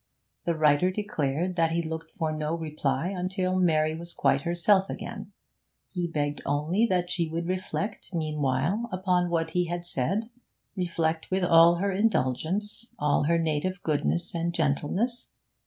The writer declared that he looked for no reply until Mary was quite herself again; he begged only that she would reflect, meanwhile, upon what he had said, reflect with all her indulgence, all her native goodness and gentleness.